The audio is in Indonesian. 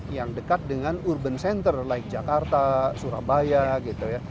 yang dekat dengan urban center like jakarta surabaya gitu ya